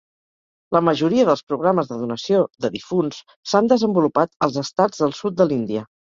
La majoria dels programes de donació de difunts s'han desenvolupat als estats del sud de l'Índia.